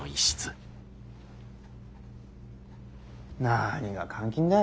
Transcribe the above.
何が監禁だ。